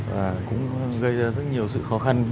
và cũng gây ra rất nhiều sự khó khăn